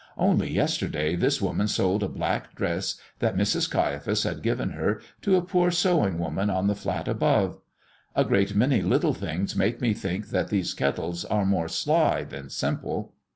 Only yesterday this woman sold a black dress that Mrs. Caiaphas had given her to a poor sewing woman on the flat above. A great many little things make me think that these Kettles are more sly than simple.